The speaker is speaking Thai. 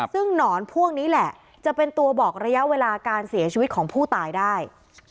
ซึ่งหนอนพวกนี้แหละจะเป็นตัวบอกระยะเวลาการเสียชีวิตของผู้ตายได้